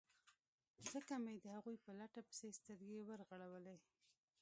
ځکه مې د هغوی په لټه پسې سترګې ور وغړولې.